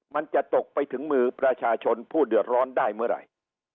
มันจะตกไปถึงมือประชาชนผู้เดือดร้อนได้เมื่อไหร่